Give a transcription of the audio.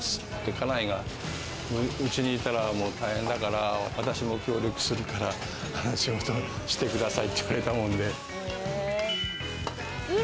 家内が、家にいたら大変だから、私も協力するからお店をしてくださいって言われたもんで。